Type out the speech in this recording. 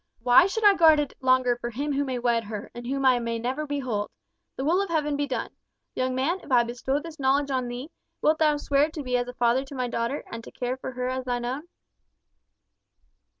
Why should I guard it longer for him who may wed her, and whom I may never behold? The will of Heaven be done! Young man, if I bestow this knowledge on thee, wilt thou swear to be as a father to my daughter, and to care for her as thine own?"